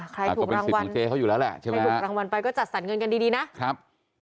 ใครถูกรางวัลใครถูกรางวัลไปก็จัดสรรเงินกันดีนะใช่ไหมนะ